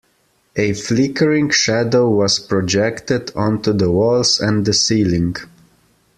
A flickering shadow was projected onto the walls and the ceiling.